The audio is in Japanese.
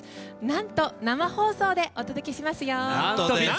なんと生放送でお届けしますよ！